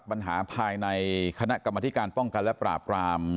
ปัญหาภายในคณะกรรมธิการป้องกันและปราบราม